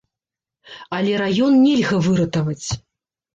Але раён нельга выратаваць.